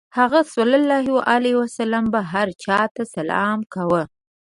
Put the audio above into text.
هغه ﷺ به هر چا ته سلام کاوه.